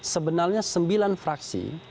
sebenarnya sembilan fraksi